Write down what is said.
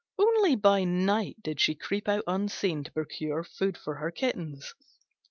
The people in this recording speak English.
Only by night did she creep out unseen to procure food for her kittens.